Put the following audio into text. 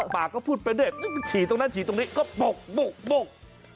ปากก็พูดไปได้ฉีดตรงนั้นฉีดตรงนี้ก็ปุกปุกปุก